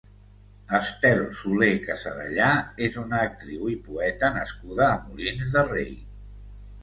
Estel Solé Casadellà és una actriu i poeta nascuda a Molins de Rei.